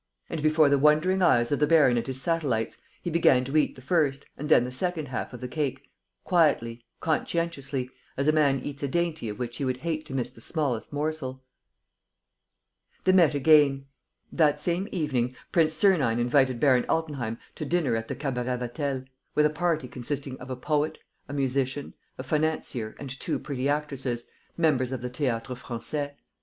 And, before the wondering eyes of the baron and his satellites, he began to eat the first and then the second half of the cake, quietly, conscientiously, as a man eats a dainty of which he would hate to miss the smallest morsel. They met again. That same evening, Prince Sernine invited Baron Altenheim to dinner at the Cabaret Vatel, with a party consisting of a poet, a musician, a financier and two pretty actresses, members of the Théâtre Français.